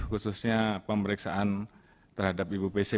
khususnya pemeriksaan terhadap ibu pc